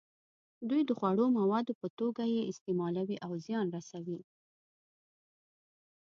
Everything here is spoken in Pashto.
دوی د خوړو موادو په توګه یې استعمالوي او زیان رسوي.